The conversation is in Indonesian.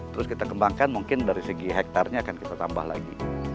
terus kita kembangkan mungkin dari segi hektarnya akan kita tambah lagi